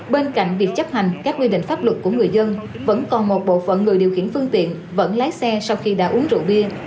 bên cạnh việc chấp hành các quy định pháp luật của người dân vẫn còn một bộ phận người điều khiển phương tiện vẫn lái xe sau khi đã uống rượu bia